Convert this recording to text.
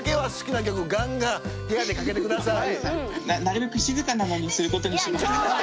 なるべく静かなのにすることにしました。